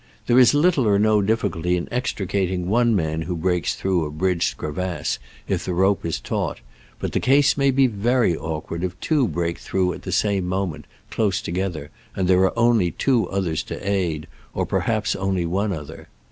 There is little or no difficulty in extricating one man who breaks through a bridged crevasse if the rope is taut, but the case may be very awkward if two break through at the same moment, close together, and there are cinly two others to aid, or perhaps only one other.